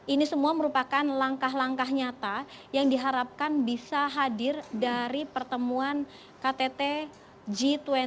ini semua merupakan langkah langkah nyata yang diharapkan bisa hadir dari pertemuan ktt g dua puluh